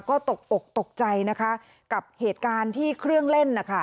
ก็ตกตกใจกับเหตุการณ์ที่เครื่องเล่น